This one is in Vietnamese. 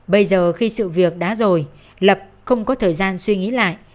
bây giờ khi sự việc đã rồi lập không có thời gian suy nghĩ lại